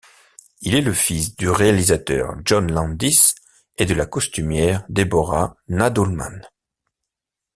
Il est le fils du réalisateur John Landis et de la costumière Deborah Nadoolman.